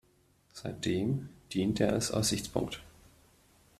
Seitdem dient er als Aussichtspunkt.